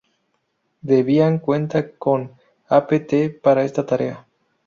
Debian cuenta con apt para esta tarea.